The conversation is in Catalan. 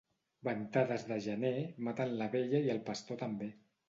Ventades de gener maten la vella i el pastor també.